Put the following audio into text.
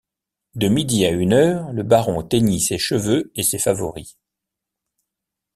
De midi à une heure, le baron teignit ses cheveux et ses favoris.